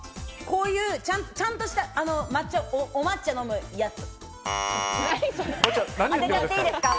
こういう、ちゃんとしたお抹茶飲むやつ。